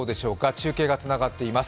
中継がつながっています。